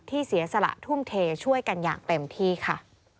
เสียสละทุ่มเทช่วยกันอย่างเต็มที่ค่ะ